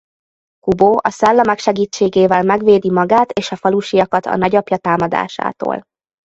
Kubo a szellemek segítségével megvédi magát és a falusiakat a nagyapja támadásától.